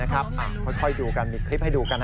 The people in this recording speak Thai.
ค่อยดูกันมีคลิปให้ดูกัน